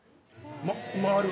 回る？